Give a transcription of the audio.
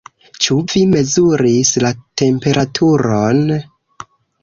Ĉu vi mezuris la temperaturon?